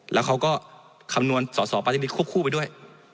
แล้วเขาก็คำนวณสสปฏิบิตคู่ไปด้วย